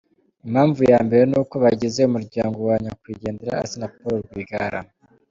Impamvu ya mbere ni uko bagize umuryango wa nyakwigendera Assinapol Rwigara.